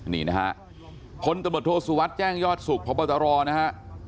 นี่นะฮะพลตำรวจโทษสุวัสดิ์แจ้งยอดสุขพบตรนะฮะ